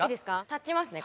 立ちますね